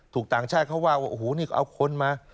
ต่างชาติเขาว่าว่าโอ้โหนี่ก็เอาคนมา